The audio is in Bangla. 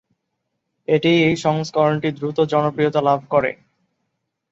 এটিই এই সংস্করণটি দ্রুত জনপ্রিয়তা লাভ করে।